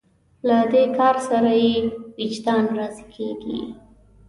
له دې کار سره یې وجدان راضي کېږي.